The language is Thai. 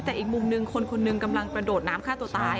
แต่อีกมุมหนึ่งคนคนหนึ่งกำลังกระโดดน้ำฆ่าตัวตาย